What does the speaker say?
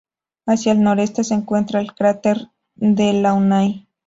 Hacia el noreste se encuentra el cráter Delaunay.